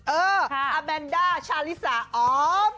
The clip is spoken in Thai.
เอออาแมนด้าชาลิสาออม